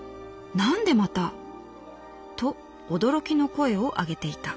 なんでまた！？』と驚きの声を上げていた」。